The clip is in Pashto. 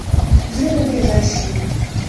زړه به دې غټ شي !